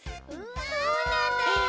そうなんだち。